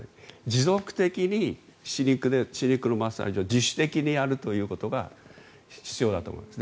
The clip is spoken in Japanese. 持続的に歯肉のマッサージを自主的にやるということが必要だと思います。